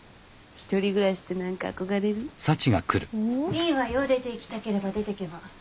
いいわよ出ていきたければ出てけば。